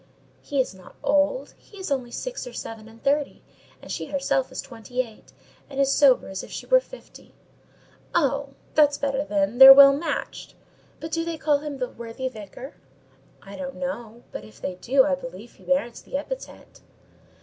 "He is not old: he's only six or seven and thirty; and she herself is twenty eight, and as sober as if she were fifty." "Oh! that's better then—they're well matched; but do they call him the 'worthy vicar'?" "I don't know; but if they do, I believe he merits the epithet."